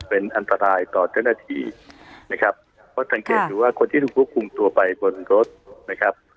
เป็นอันตรายต่อเจ้าหน้าที่นะครับเพราะสังเกตดูว่าคนที่ถูกควบคุมตัวไปบนรถนะครับ